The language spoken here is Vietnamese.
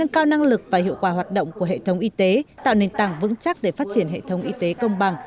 nâng cao năng lực và hiệu quả hoạt động của hệ thống y tế tạo nền tảng vững chắc để phát triển hệ thống y tế công bằng